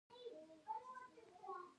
ایران پر دې تنګي کنټرول لري.